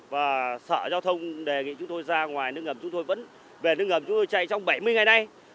và sở giao thông đề nghị chúng tôi ra ngoài nước ngầm chúng tôi vẫn về nước ngầm chúng tôi chạy trong bảy mươi ngày nay